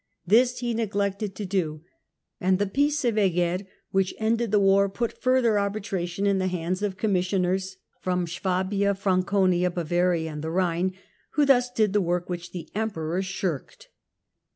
This he neglected to do, and the Peace of Eger °^'''^^ which ended the war put further arbitration in the hands of Commissioners from Swabia, Franconia, Bavaria and the Rhine, who thus did the work which the Emperor shirked.